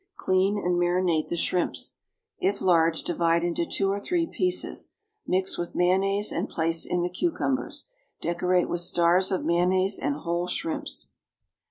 Clean and marinate the shrimps. If large, divide into two or three pieces. Mix with mayonnaise and place in the cucumbers. Decorate with stars of mayonnaise and whole shrimps.